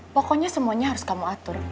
pokoknya semuanya harus kamu atur